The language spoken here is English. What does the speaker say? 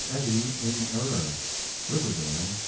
EDDY IN ERROR (Riverdale) N.